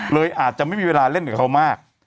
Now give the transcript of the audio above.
เลยอาจจะไม่มีเวลาเล่นกับเขามาก